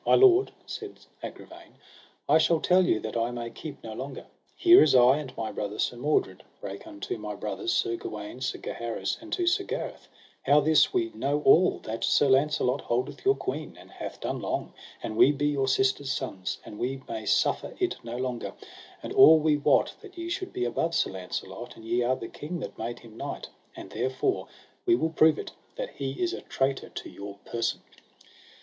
My lord, said Agravaine, I shall tell you that I may keep no longer. Here is I, and my brother Sir Mordred, brake unto my brothers Sir Gawaine, Sir Gaheris, and to Sir Gareth, how this we know all, that Sir Launcelot holdeth your queen, and hath done long; and we be your sister's sons, and we may suffer it no longer, and all we wot that ye should be above Sir Launcelot; and ye are the king that made him knight, and therefore we will prove it, that he is a traitor to your person.